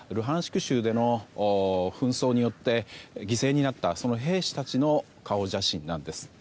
州での紛争によって犠牲になった兵士たちの顔写真なんです。